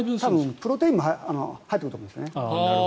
多分、プロテインも入っていると思うんですね。